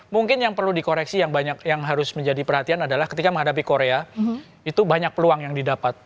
mungkin yang perlu dikoreksi yang banyak yang harus menjadi perhatian adalah ketika menghadapi korea itu banyak peluang yang didapat